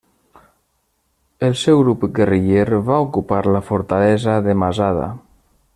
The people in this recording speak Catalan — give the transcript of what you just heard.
El seu grup guerriller va ocupar la fortalesa de Masada.